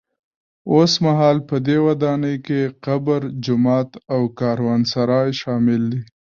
اوسمهال په دې ودانۍ کې قبر، جومات او کاروانسرای شامل دي.